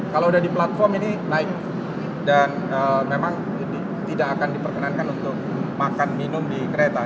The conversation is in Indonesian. kalau udah di platform ini naik dan memang tidak akan diperkenankan untuk makan minum di kereta